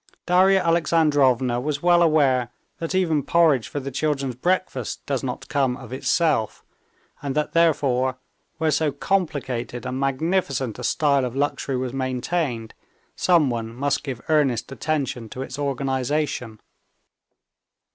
Darya Alexandrovna was well aware that even porridge for the children's breakfast does not come of itself, and that therefore, where so complicated and magnificent a style of luxury was maintained, someone must give earnest attention to its organization.